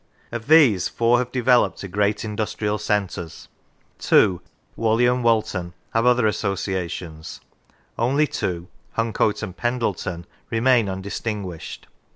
Of these, four have developed to great industrial centres; two, Whalley and Walton, have other associations; only two, Huncoat and Pendle ton, remain undistinguished.